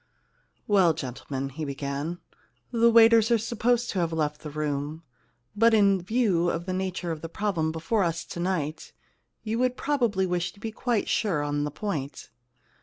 * Well, gentlemen/ he began, * the waiters are supposed to have left the room, but in view of the nature of the problem before us to night you would probably wish to be quite sure on the point.